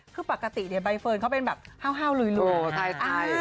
คือปกติเนี่ยใบเฟิร์นเขาเป็นแบบห้าวลุย